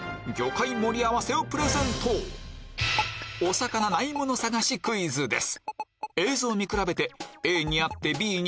お魚ないもの探しクイズです